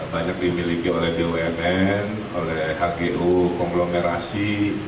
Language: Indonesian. banyak dimiliki oleh bumn oleh hgu konglomerasi